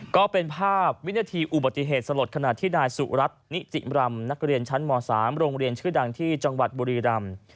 ก็เป็นภาพวินาทีอุบัติเหตุสลดขณะที่นายสุรัตน์นิจิมรำนักเรียนชั้นม๓โรงเรียนชื่อดังที่จังหวัดบุรีรำ